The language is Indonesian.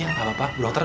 gak apa apa bu dokter